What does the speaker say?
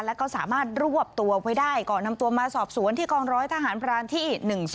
แล้วก็สามารถรวบตัวไว้ได้ก่อนนำตัวมาสอบสวนที่กองร้อยทหารพรานที่๑๒